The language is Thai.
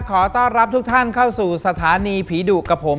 ขอต้อนรับทุกท่านเข้าสู่สถานีผีดุกับผม